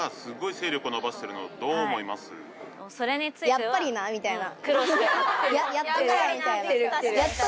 やっぱりなみたいな。